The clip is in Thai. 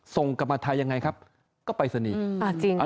ส่งกลับมาไทยยังไงครับก็ปรายศนีย์